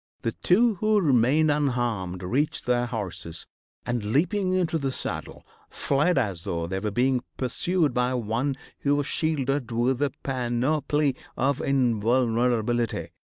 The two who remained unharmed reached their horses, and, leaping into the saddle, fled as though they were being pursued by one who was shielded with the panoply of invulnerability.